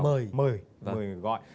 mời người gọi